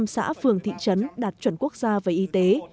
một trăm linh xã phường thị trấn đạt chuẩn quốc gia về y tế